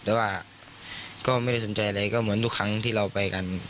แต่ว่าก็ไม่ได้สนใจอะไรก็เหมือนทุกครั้งที่เราไปกัน